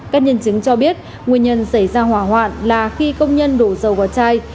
các nhân chứng cho biết nguyên nhân xảy ra hỏa hoạn là khi công nhân đổ dầu vào chai